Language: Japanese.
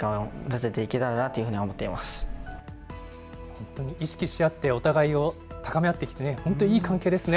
本当に意識し合って、お互いを高め合ってきてね、本当、いい関係ですね。